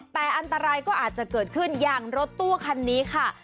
แต่อันตรายก็อาจจะเกิดขึ้นอย่างรถตู้คันนี้ค่ะ